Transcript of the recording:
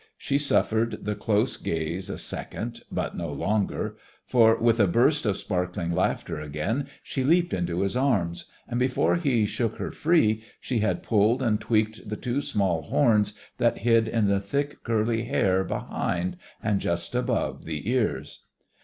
She suffered the close gaze a second, but no longer, for with a burst of sparkling laughter again she leaped into his arms, and before he shook her free she had pulled and tweaked the two small horns that hid in the thick curly hair behind, and just above, the ears.